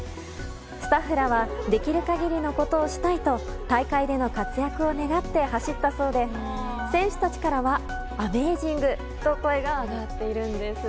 スタッフらはできる限りのことをしたいと大会での活躍を願って走ったそうで選手たちからはアメージングと声が上がっているんです。